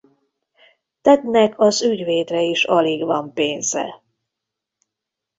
Tednek az ügyvédre is alig van pénze.